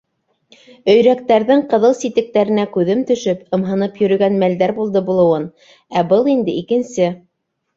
Өйрәктәрҙең ҡыҙыл ситектәренә күҙем төшөп, ымһынып йөрөгән мәлдәр булды булыуын, ә был инде икенсе!